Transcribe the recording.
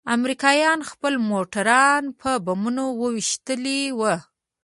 امريکايانو خپل موټران په بمونو ويشتلي وو.